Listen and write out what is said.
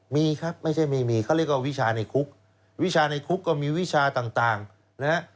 มีครับไม่ใช่ไม่มีเขาเรียกว่าวิชาในคุกวิชาในคุกก็มีวิชาต่างนะฮะ